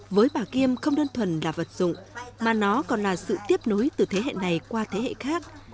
với bà kiêm không đơn thuần là vật dụng mà nó còn là sự tiếp nối từ thế hệ này qua thế hệ khác